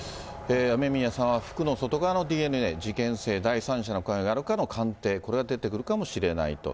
雨宮さんは服の外側のＤＮＡ、事件性、第三者の関与があるかの鑑定、これが出てくるかもしれないと。